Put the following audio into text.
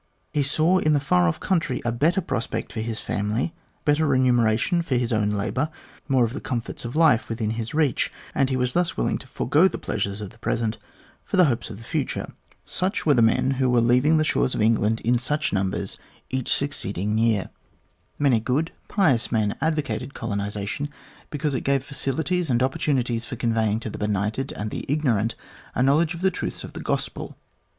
He saw in the far off country a better prospect for his family, better remuneration for his own labour, more of the comforts of life within his reach, and he was thus willing to forego the pleasures of the present for the hopes of the future. Such were the men who were leaving the shores of England in such numbers 255 256 THE GLADSTONE COLONY each succeeding year. Many good, pious men advocated colonisation because it gave facilities and opportunities for conveying to the benighted and the ignorant a knowledge of the truths of the Gospel.